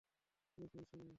কোনো সমস্যা নেই।